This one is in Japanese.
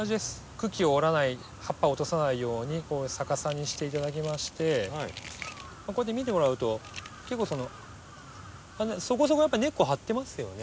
茎を折らない葉っぱを落とさないようにこう逆さにして頂きましてこうやって見てもらうと結構そのそこそこやっぱ根っこ張ってますよね。